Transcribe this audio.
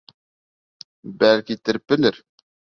Бәлки, терпелер?..